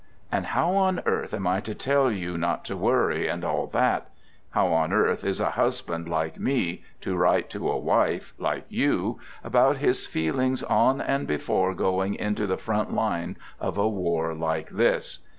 And how on earth am I to tell you not to worry and all that; how on earth is a husband (like me) to write to a wife (like you) about his feelings on and before going into the front line of a war like this?